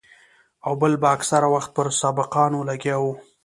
او بل به اکثره وخت پر سبقانو لګيا وو.